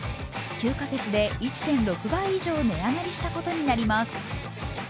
９カ月で１．６倍以上値上がりしたことになります。